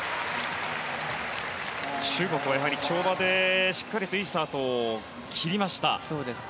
中国はやはり跳馬でしっかりといいスタートを切りました。